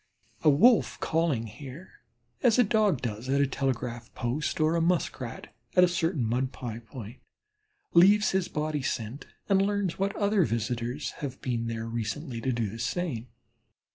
A Wolf calling here, as a Dog does at a telegraph post, or a Muskrat at a certain mud pie point, leaves his body scent and learns what other visitors have been there recently to do the same.